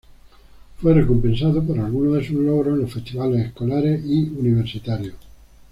Fue recompensado por algunos de sus logros en los festivales escolares y universitarios.